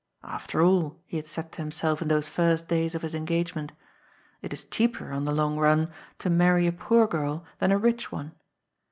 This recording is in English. " After all," he had said to himself in those first days of his engagement, '^ it is cheaper, on the long run, to marry a poor girl than a rich one."